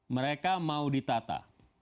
mereka mau ditata